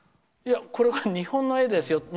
これが日本の絵ですよ。